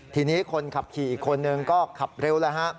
ทีนี้คนขับขี่อีกคนนึงก็ขับเร็วแล้วฮะ